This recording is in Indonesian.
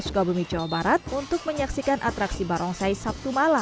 sukabumi jawa barat untuk menyaksikan atraksi barongsai sabtu malam